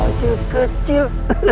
tau cil kecil